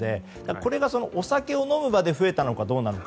これがお酒を飲む場で増えたのかどうなのか。